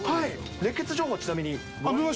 熱ケツ情報はちなみに。